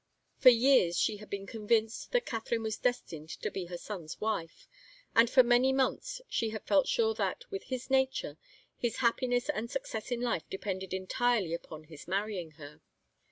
For years she had been convinced that Katharine was destined to be her son's wife, and for many months she had felt sure that, with his nature, his happiness and success in life depended entirely upon his marrying her.